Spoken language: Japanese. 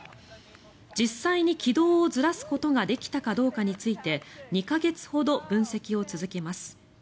実際に軌道をずらすことができたかどうかについて２か月ほど分析を続けます。